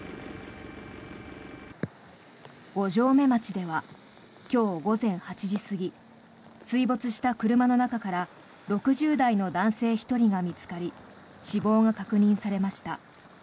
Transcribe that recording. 五城目町では今日午前８時過ぎ水没した車の中から６０代の男性１人が見つかり死亡が確認されました。